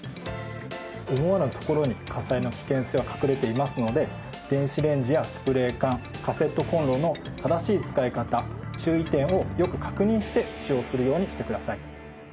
思わぬところに火災の危険性は隠れていますので電子レンジやスプレー缶カセットコンロの正しい使い方注意点をよく確認して使用するようにしてください。